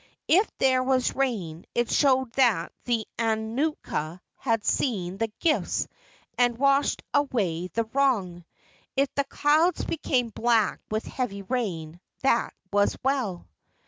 If there was rain, it showed that the aumakua had seen the gifts and washed away the wrong. If the clouds became black with heavy rain, that was well.